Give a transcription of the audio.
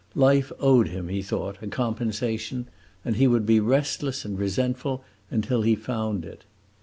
Life owed him, he thought, a compensation, and he would be restless and resentful until he found it.